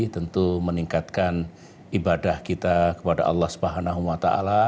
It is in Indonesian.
tentu meningkatkan ibadah kita kepada allah swt